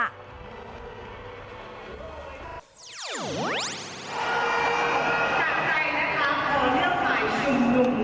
จากใครนะคะเราเลือกใหม่ชุมหนุ่มค่ะ